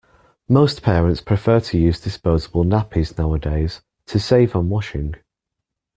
Most parents prefer to use disposable nappies nowadays, to save on washing